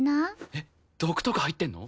えっ毒とか入ってんの？